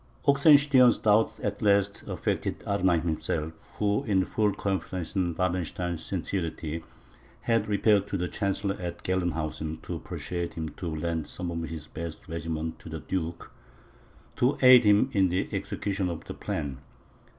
Oxenstiern's doubts at last affected Arnheim himself, who, in full confidence in Wallenstein's sincerity, had repaired to the chancellor at Gelnhausen, to persuade him to lend some of his best regiments to the duke, to aid him in the execution of the plan.